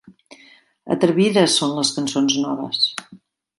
Atrevides són les cançons noves.